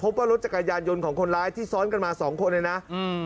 ว่ารถจักรยานยนต์ของคนร้ายที่ซ้อนกันมาสองคนเลยนะอืม